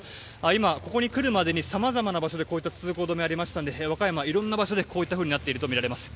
今、ここに来るまでにさまざまな場所で通行止めがありましたので和歌山、いろんな場所でこうなっているとみられます。